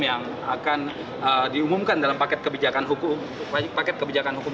yang akan diumumkan dalam paket kebijakan hukum